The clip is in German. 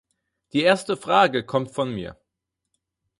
Die erste Frage kommt von mir.